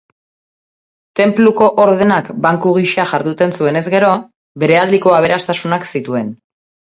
Tenpluko ordenak banku gisa jarduten zuenez gero, berealdiko aberastasunak zituen.